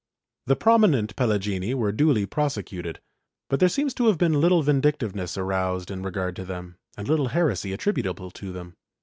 ^ The prominent Pelagini were duly prosecuted, but there seems to have been little vindictiveness aroused in regard to them and little heresy attributable to them.